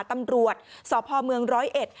ตามรวชสพศร้อยเอ็ด